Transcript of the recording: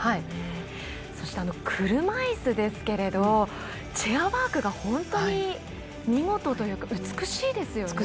そして、車いすチェアワークが本当に見事というか美しいですよね。